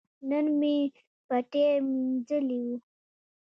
نن مې پټی مینځلي وو.